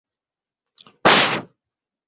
Tabaka la viongozi wa kisiasa na wa kijeshi